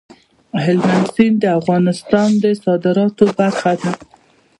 هلمند سیند د افغانستان د صادراتو برخه ده.